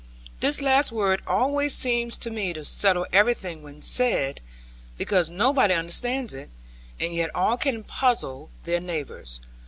This last word always seems to me to settle everything when said, because nobody understands it, and yet all can puzzle their neighbours.